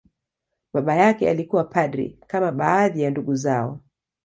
Baba yake alikuwa padri, kama baadhi ya ndugu zao.